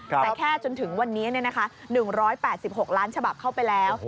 แต่แค่จนถึงวันนี้๑๘๖ล้านฉบับเข้าไปแล้ว